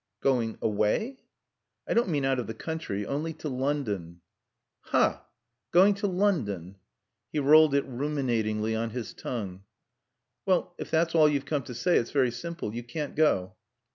"Going away?" "I don't mean out of the country. Only to London." "Ha! Going to London " He rolled it ruminatingly on his tongue. "Well, if that's all you've come to say, it's very simple. You can't go."